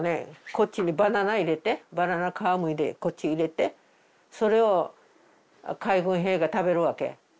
こっちにバナナ入れてバナナ皮をむいてこっちに入れてそれを海軍兵が食べるわけ。